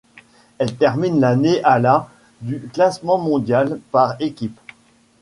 Elle termine l'année à la du classement mondial par équipes.